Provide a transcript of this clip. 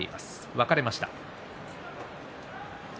分かれました。